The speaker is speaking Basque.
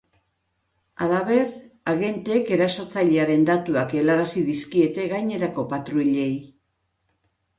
Halaber, agenteek erasotzailearen datuak helarazi dizkiete gainerako patruilei.